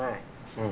うん。